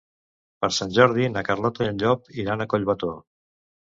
Per Sant Jordi na Carlota i en Llop iran a Collbató.